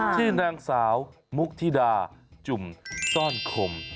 ชื่อนางสาวมุกธิดาจุ่มต้อนคม